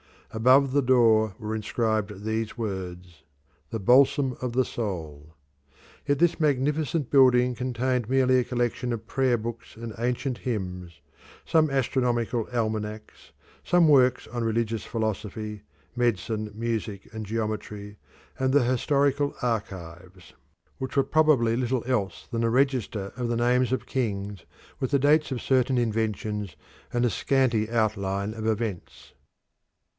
Above the door were inscribed these words, "The Balsam of the Soul." Yet this magnificent building contained merely a collection of prayer books and ancient hymns, some astronomical almanacs, some works on religious philosophy, medicine, music, and geometry, and the historical archives, which were probably little else than a register of the names of kings, with the dates of certain inventions and a scanty outline of events.